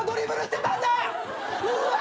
うわ！！